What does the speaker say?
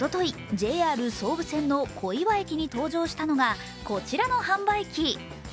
ＪＲ総武線の小岩駅に登場したのがこちらの販売機。